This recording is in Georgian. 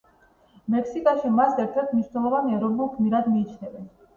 მექსიკაში მას ერთ-ერთ მნიშვნელოვან ეროვნულ გმირად მიიჩნევენ.